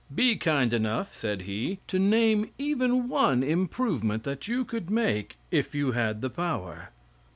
"Be kind enough," said he, "to name even one improvement that you could make, if you had the power."